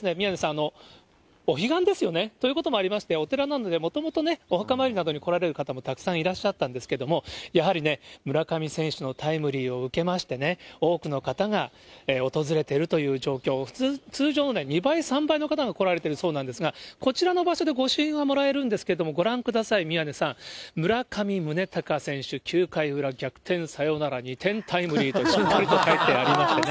きょうは宮根さん、お彼岸ですよね、ということもありまして、お寺なので、もともとお墓参りなどに来られる方もたくさんいらっしゃったんですけれども、やはりね、村上選手のタイムリーを受けまして、多くの方が訪れてるという状況、通常の２倍３倍の方が来られてるそうなんですが、こちらの場所で御朱印はもらえるんですけれども、ご覧ください、宮根さん、村上宗隆選手、９回裏逆転サヨナラ２点タイムリーと、すごいな。